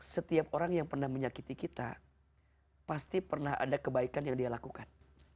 setiap orang yang pernah menyakiti kita pasti pernah ada kebaikan yang dia lakukan